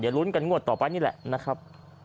ลุ้นกันงวดต่อไปนี่แหละนะครับ